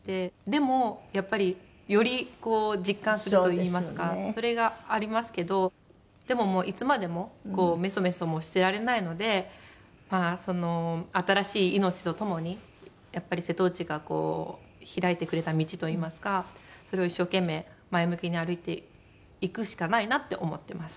でもやっぱりよりこう実感するといいますかそれがありますけどでももういつまでもめそめそもしてられないのでその新しい命とともにやっぱり瀬戸内が開いてくれた道といいますかそれを一生懸命前向きに歩いていくしかないなって思ってます。